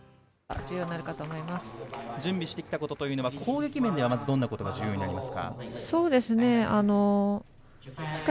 準備してきたことというのは攻撃面ではどんなことが重要ですか。